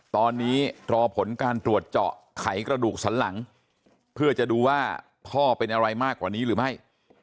ตอนนี้รอผลการตรวจเจาะไขกระดูกสันหลังเพื่อจะดูว่าพ่อเป็นอะไรมากกว่านี้หรือไม่